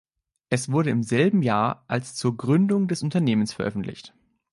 Es wurde im selben Jahr als zur Gründung des Unternehmens veröffentlicht.